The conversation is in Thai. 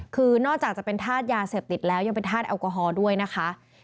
คือนอกจากจะเป็นธาตุยาเสพติดแล้วยังเป็นธาตุแอลกอฮอล์ด้วยนะคะ